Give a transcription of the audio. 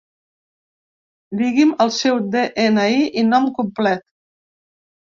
Digui'm el seu de-ena-i i nom complet.